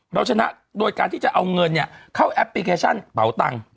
เราชนะโดยการที่จะเอาเงินเข้าแอปพลิเคชันเป่าตังค์